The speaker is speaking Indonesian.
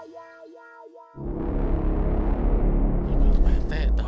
pak rete tadi